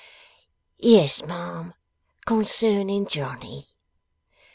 'Yes, ma'am. Concerning Johnny.